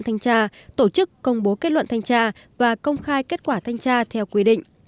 thanh tra tổ chức công bố kết luận thanh tra và công khai kết quả thanh tra theo quy định